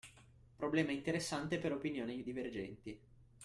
Problema interessante per opinioni divergenti.